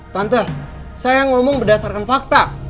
tante saya ngomong berdasarkan fakta